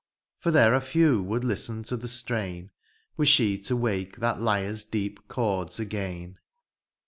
For there are few would listen to the strain Were she to wake that lyre's deep chords again. *Mn.